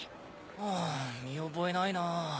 うん見覚えないな。